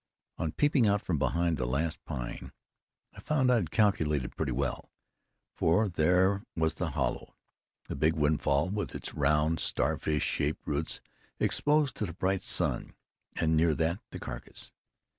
On peeping out from behind the last pine, I found I had calculated pretty well, for there was the hollow, the big windfall, with its round, starfish shaped roots exposed to the bright sun, and near that, the carcass.